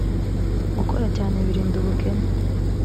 gukoracyane birinda ubukene.